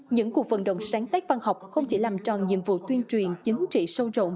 những cuộc vận động sáng tác văn học không chỉ làm tròn nhiệm vụ tuyên truyền chính trị sâu rộng